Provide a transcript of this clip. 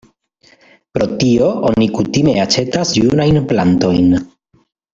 Pro tio oni kutime aĉetas junajn plantojn.